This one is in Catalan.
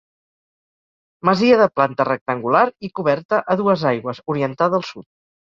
Masia de planta rectangular i coberta a dues aigües, orientada al sud.